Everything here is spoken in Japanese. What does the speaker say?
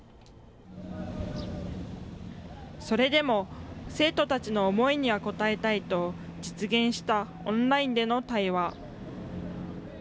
それでも生徒たちの思いには応えたいと、実現したオンラインでの対話。